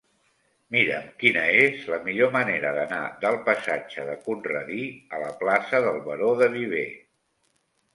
Mira'm quina és la millor manera d'anar del passatge de Conradí a la plaça del Baró de Viver.